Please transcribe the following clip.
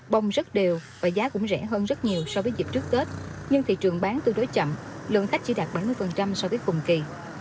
bông rất đều và giá cũng rẻ hơn rất nhiều so với dịp trước tết nhưng thị trường bán tương đối chậm lượng khách chỉ đạt bảy mươi so với cùng kỳ